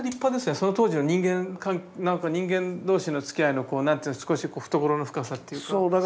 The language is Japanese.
その当時の人間何か人間同士のつきあいの何というんですか少し懐の深さっていうか。